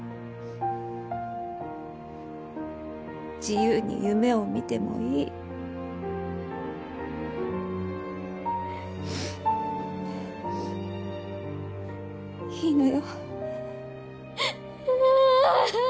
自由に夢を見てもいい。いいのよ。